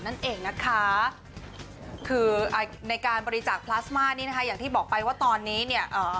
นั่นเองนะคะในการบริจักษ์พลาสมาอย่างที่บอกไปว่าตอนนี้